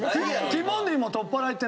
ティモンディもとらっぱらいって。